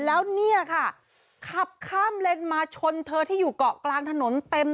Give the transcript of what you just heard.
แล้วเนี่ยค่ะขับข้ามเลนมาชนเธอที่อยู่เกาะกลางถนนเต็ม